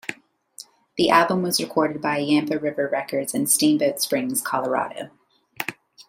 The album was recorded by Yampa River Records in Steamboat Springs, Colorado.